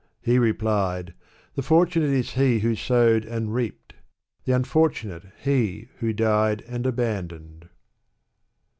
He replied, ''The fortunate b he who sowed and reaped ; the unfortunate he who died and abandoned."